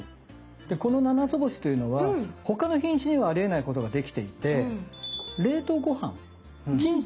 でこのななつぼしというのは他の品種にはありえないことができていて冷凍ご飯チンとした時においしい。